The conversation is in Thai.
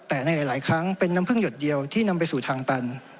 แต่ในหลายครั้งเป็นน้ำพึ่งหยดเดียวที่นำไปสู่ทางตัน